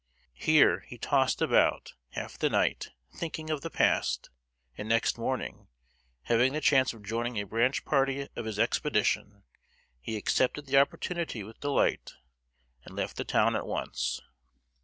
Here he tossed about half the night thinking of the past, and next morning, having the chance of joining a branch party of his expedition, he accepted the opportunity with delight, and left the town at once.